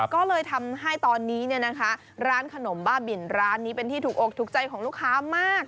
ก็เลยทำให้ตอนนี้ร้านขนมบ้าบินร้านนี้เป็นที่ถูกอกถูกใจของลูกค้ามาก